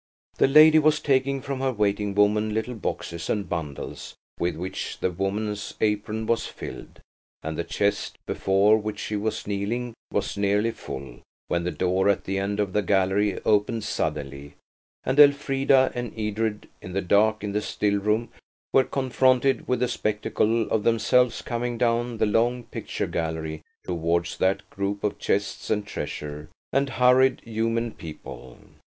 The lady was taking from her waiting woman little boxes and bundles with which the woman's apron was filled, and the chest before which she was kneeling was nearly full when the door at the end of the gallery opened suddenly, and Elfrida and Edred, in the dark in the still room, were confronted with the spectacle of themselves coming down the long picture gallery towards that group of chests and treasure, and hurried human people.